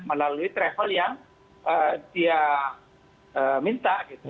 melalui travel yang dia minta gitu